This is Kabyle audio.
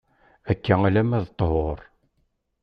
Akka alemma d ṭhur.